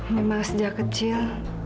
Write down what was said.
memang sejak kecil